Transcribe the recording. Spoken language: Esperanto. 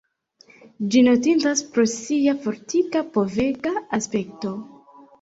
Ĝi notindas pro sia fortika povega aspekto.